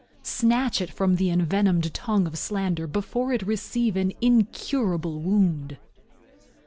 Snatch it from the envenomed tongue of slander before it receive an incurable wound.